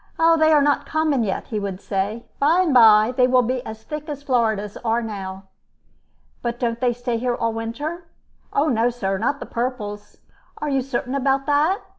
"They are not common yet," he would say. "By and by they will be as thick as Floridas are now." "But don't they stay here all winter?" "No, sir; not the purples." "Are you certain about that?"